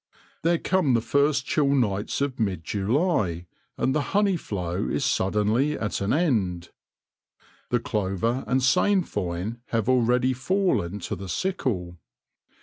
There come the first chill nights of mid July, and the honey flow is suddenly at an end. The clover and sainfoin have already fallen to the sickle.